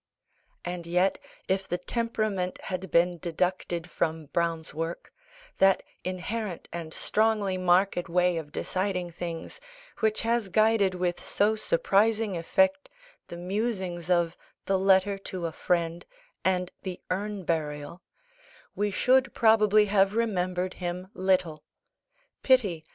And yet if the temperament had been deducted from Browne's work that inherent and strongly marked way of deciding things, which has guided with so surprising effect the musings of the Letter to a Friend, and the Urn Burial we should probably have remembered him little. Pity!